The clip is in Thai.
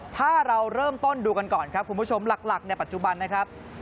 ถ้าเราเริ่มต้นดูกันก่อนครับคุณผู้ชมหลักในปัจจุบันนะครับ